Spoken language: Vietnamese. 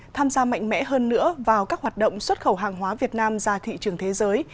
tham gia mạnh mẽ hơn nữa vào các hoạt động xuất khẩu hàng hóa việt nam ra thị trường thế giới